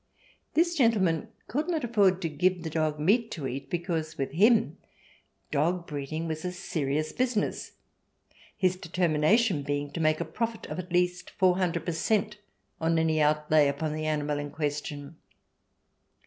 This gentleman could not afford to give the dog meat to eat, because with him dog breeding was a serious business, his determination being to make a profit of at least four hundred per cent, on any outlay upon the animal in question.